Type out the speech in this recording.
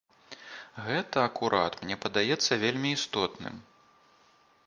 Гэта акурат, мне падаецца, вельмі істотным.